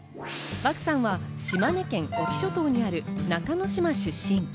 漠さんは、島根県隠岐諸島にある中ノ島出身。